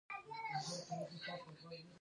لوگر د افغانانو د ګټورتیا برخه ده.